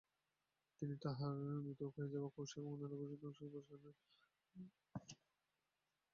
তারা দেহ থেকে মৃত ও ক্ষয়ে যাওয়া কোষ এবং অন্যান্য কোষীয় ধ্বংসাবশেষ পরিষ্কার করে।